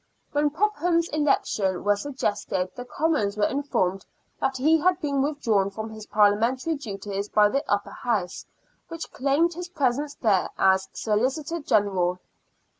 When Popham's election was suggested, the Commons were informed that he had been withdrawn from his Parliamentary duties by the Upper House, which claimed his presence there as Solicitor General.